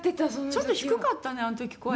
ちょっと低かったねあの時声。